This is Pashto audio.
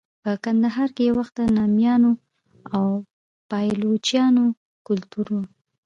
په کندهار کې یو وخت د نامیانو او پایلوچانو کلتور و.